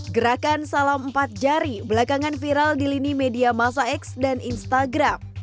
gerakan salam empat jari belakangan viral di lini media masa x dan instagram